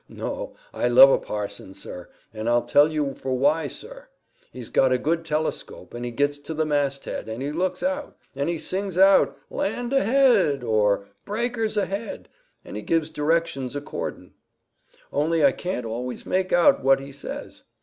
No; I love a parson, sir. And I'll tell you for why, sir. He's got a good telescope, and he gits to the masthead, and he looks out. And he sings out, 'Land ahead!' or 'Breakers ahead!' and gives directions accordin'. Only I can't always make out what he says.